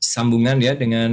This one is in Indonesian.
sambungan ya dengan